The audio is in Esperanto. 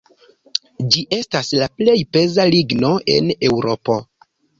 Ĝi estas la plej peza ligno en Eŭropo.